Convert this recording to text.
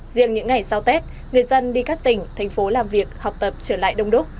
riêng những ngày sau tết người dân đi các tỉnh thành phố làm việc học tập trở lại đông đúc